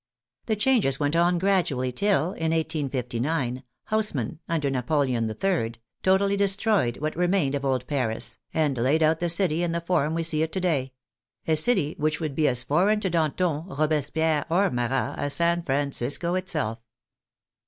The changes went on gradually, till, in 1859, Haussmann, under Napoleon TIL, totally destroyed what remained of old Paris, and laid out the city in the form we see it to day — a city which would be as foreign to Danton, Robespierre, or Marat as San Francisco itself.